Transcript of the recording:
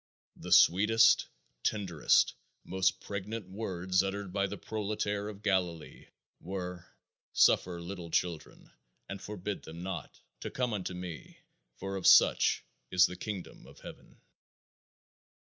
The sweetest, tenderest, most pregnant words uttered by the proletaire of Galilee were: "Suffer little children, and forbid them not, to come unto me; for of such is the kingdom of heaven."